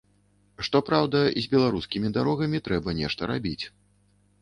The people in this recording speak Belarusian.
Што праўда, з беларускімі дарогамі трэба нешта рабіць.